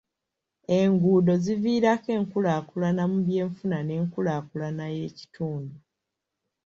Enguudo ziviirako enkulaakulana mu by'enfuna n'enkulaakulana y'ekitundu.